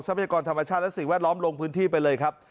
พยากรธรรมชาติและสิ่งแวดล้อมลงพื้นที่ไปเลยครับ